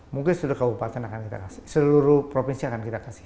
mungkin seluruh kabupaten akan kita kasih seluruh provinsi akan kita kasih